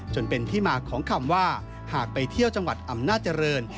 จนเป็นที่มาของคำว่าหากไปเที่ยวจังหวัดอำนาจริง